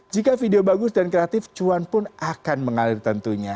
jika video bagus dan kreatif cuan pun akan mengalir tentunya